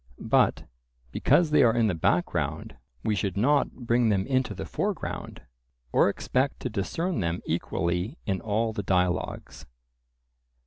But because they are in the background, we should not bring them into the foreground, or expect to discern them equally in all the dialogues.